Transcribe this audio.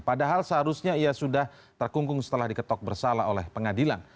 padahal seharusnya ia sudah terkungkung setelah diketok bersalah oleh pengadilan